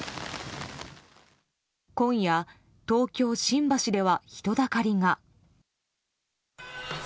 今夜、東京・新橋では人だかりが。